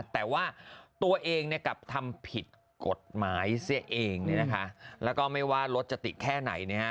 แต่ว่าตัวเองกลับทำผิดกฎหมายเสียเองแล้วก็ไม่ว่ารถจะติดแค่ไหน